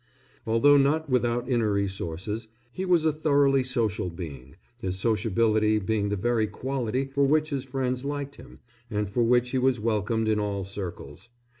Although not without inner resources, he was a thoroughly social being, his sociability being the very quality for which his friends liked him and for which he was welcomed in all circles.